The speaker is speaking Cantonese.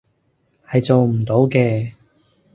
係做唔到嘅